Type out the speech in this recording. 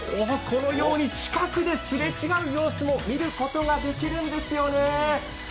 このように近くですれ違う様子見ることが出来るんですよね。